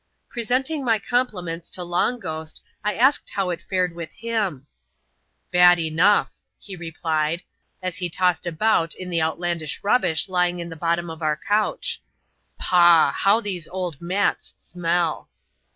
Presenting my compliments to Long Ghost, I asked how it fared with him. "Bad enough," he replied, as he tossed about in the out landish rubbish lying in the bottom of our couch. " Pah ! how these old mats smell!"